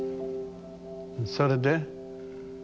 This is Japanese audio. それで？